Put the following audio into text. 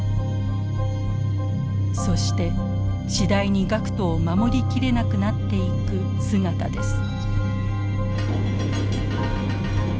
そして次第に学徒を守り切れなくなっていく姿です。